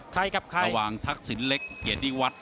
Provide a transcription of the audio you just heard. ใครครับใครระหว่างทักษิณเล็กเกียรติวัฒน์